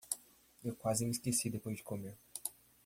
Eu quase me esqueci depois de comer.